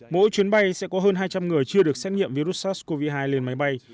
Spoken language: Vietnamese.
mỗi chuyến bay sẽ có hơn hai trăm linh người chưa được xét nghiệm virus sars cov hai lên máy bay